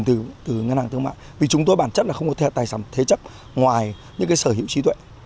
từ ngân hàng thương mại vì chúng tôi bản chất là không có tài sản thế chấp ngoài những cái sở hữu trí tuệ